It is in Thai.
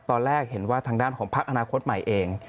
ตอนแรกเห็นว่าทางด้านของพักอนาคตใหม่เอง